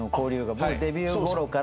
もうデビューごろから。